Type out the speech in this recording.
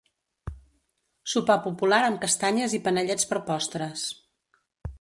Sopar popular amb castanyes i panellets per postres.